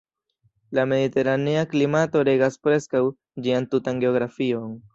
La mediteranea klimato regas preskaŭ ĝian tutan geografion.